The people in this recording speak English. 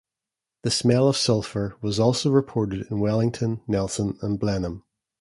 The smell of sulphur was also reported in Wellington, Nelson and Blenheim.